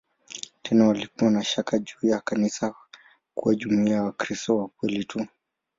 Tena walikuwa na shaka juu ya kanisa kuwa jumuiya ya "Wakristo wa kweli tu".